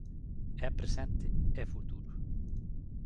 É presente e futuro.